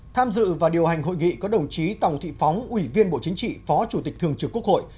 tham dự và điều hành hội nghị có đồng chí tòng thị phóng ủy viên bộ chính trị phó chủ tịch thường trực quốc hội